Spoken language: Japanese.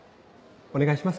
お願いします